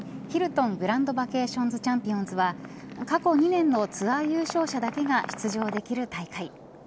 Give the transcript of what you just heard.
ヒルトングランドバケーションズチャンピオンズは過去２年のツアー優勝者だけが出場できる大会。